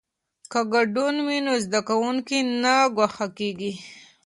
که ګډون وي نو زده کوونکی نه ګوښه کیږي.